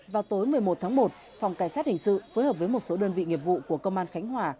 vào tối một mươi một tháng một phòng cảnh sát hình sự phối hợp với một số đơn vị nghiệp vụ của công an khánh hòa